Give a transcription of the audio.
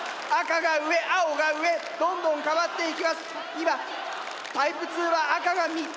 今タイプ２は赤が３つ！